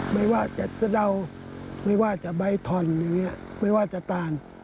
ไม่ว่าจะสะเดาไม่ว่าจะใบทอนอย่างนี้ไม่ว่าจะต่าง